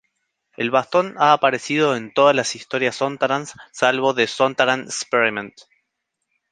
El bastón ha aparecido en todas las historias sontarans salvo "The Sontaran Experiment".